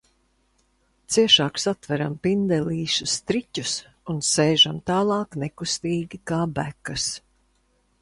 Ciešāk satveram pindelīšu striķus un sēžam tālāk nekustīgi kā bekas.